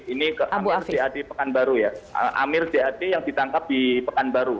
ini amir zad pekanbaru ya amir zad yang ditangkap di pekanbaru